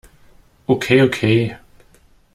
Okay, okay!